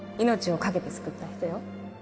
命をかけて救った人よ